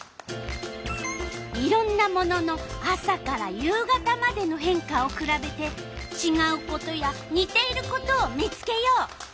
いろんなものの朝から夕方までの変化をくらべてちがうことやにていることを見つけよう。